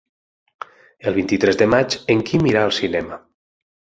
El vint-i-tres de maig en Quim irà al cinema.